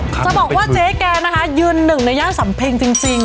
จะบอกว่าเจ๊แกนะคะยืนหนึ่งในย่านสำเพ็งจริง